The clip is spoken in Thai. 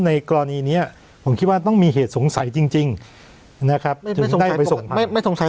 ในกรณีเนี้ยผมคิดว่าต้องมีเหตุสงสัยจริงจริงนะครับไม่สงสัย